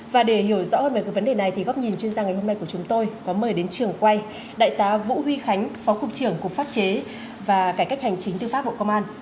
và để hiểu rõ hơn về cái vấn đề này thì góc nhìn chuyên gia ngày hôm nay của chúng tôi có mời đến trường quay đại tá vũ huy khánh phó cục trưởng cục pháp chế và cải cách hành chính tư pháp bộ công an